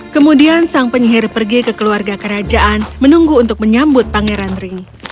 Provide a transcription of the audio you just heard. kemudian sang penyihir pergi ke keluarga kerajaan menunggu untuk menyambut pangeran ring